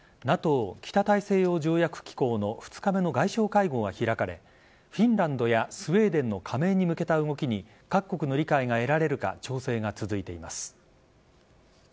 ＮＡＴＯ＝北大西洋条約機構の２日目の外相会合が開かれフィンランドやスウェーデンの加盟に向けた動きに各国の理解が得られるか調整が続いています。